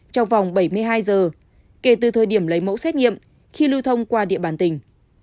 trong vòng bảy mươi hai giờ kể từ thời điểm lấy mẫu xét nghiệm khi lưu thông qua địa bàn tỉnh